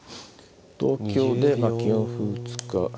同香で９四歩打つか。